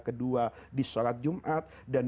kedua di sholat jumat dan